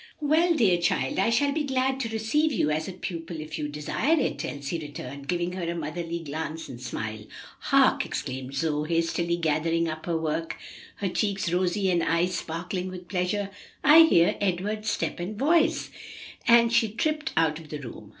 "Well, dear child, I shall be glad to receive you as a pupil if you desire it," Elsie returned, giving her a motherly glance and smile. "Hark!" exclaimed Zoe, hastily gathering up her work, her cheeks rosy and eyes sparkling with pleasure. "I hear Edward's step and voice," and she tripped out of the room.